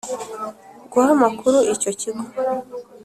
guha amakuru icyo kigo